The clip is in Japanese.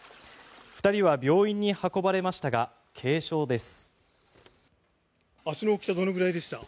２人は病院に運ばれましたが軽傷です。